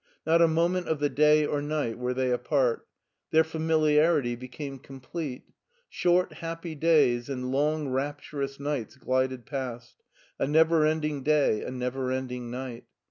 Not a moment of the day or night were they apart. Their familiarity became complete. Short, happy days, and long, rapturous nights glided past — a never ending day, a never ending night.